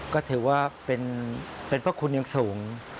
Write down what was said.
ก็ถือว่าเป็นพระคุณอย่างสูง